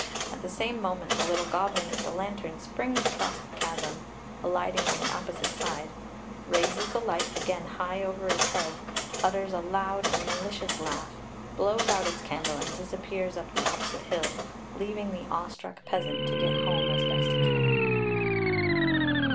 At the same moment the little goblin with the lantern springs across the chasm, alighting on the opposite side; raises the light again high over its head, utters a loud and malicious laugh, blows out its candle and disappears up the opposite hill, leaving the awestruck peasant to get home as best he can.